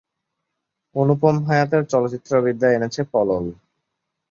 অনুপম হায়াতের চলচ্চিত্রবিদ্যা এনেছে পলল।